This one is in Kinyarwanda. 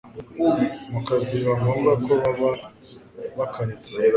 mu kazi, biba ngombwa ko baba bakaretse